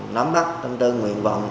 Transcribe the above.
nắm bắt tâm tư nguyện vọng